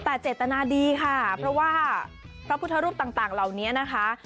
แต่เจตนาดีค่ะเพราะว่าพระพุทธรูปต่างเหล่านี้นะคะ